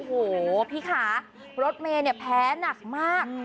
โอ้โหพี่คะรถเมย์เนี่ยแพ้หนักมาก